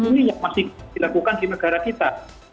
ini yang masih dilakukan di negara kita